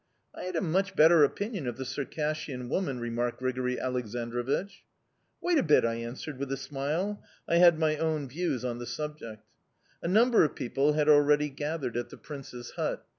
"'I had a much better opinion of the Circassian women,' remarked Grigori Aleksandrovich. "'Wait a bit!' I answered, with a smile; I had my own views on the subject. "A number of people had already gathered at the prince's hut.